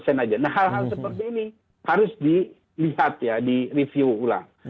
nah hal hal seperti ini harus dilihat ya direview ulang